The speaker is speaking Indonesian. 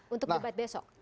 untuk debat besok